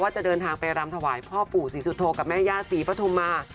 จะเดินทางไปรำถวายพ่อปู่ศรีสุโธกับแม่ย่าศรีปฐุมมา